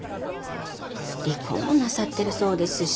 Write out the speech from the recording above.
離婚もなさってるそうですし。